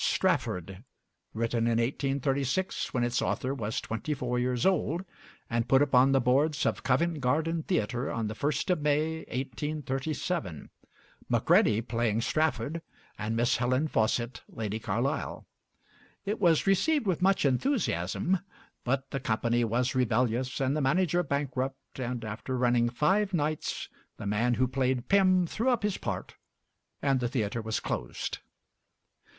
'Strafford,' written in 1836, when its author was twenty four years old, and put upon the boards of Covent Garden Theatre on the 1st of May, 1837; Macready playing Strafford, and Miss Helen Faucit Lady Carlisle. It was received with much enthusiasm, but the company was rebellious and the manager bankrupt; and after running five nights, the man who played Pym threw up his part, and the theatre was closed.